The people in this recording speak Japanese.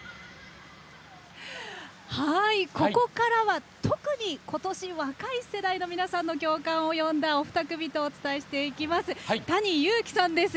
ここからは特に今年若い世代の皆さんの共感を呼んだお二組とお伝えしていきます。